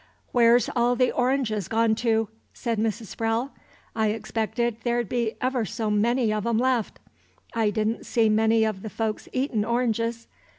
"Where's all the oranges gone to?" said Mrs. Sprowle. "I expected there'd be ever so many of 'em left. I did n't see many of the folks eatin' oranges.